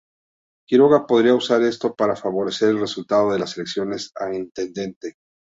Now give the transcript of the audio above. Quiroga podría usar esto para favorecer el resultado de las elecciones a intendente.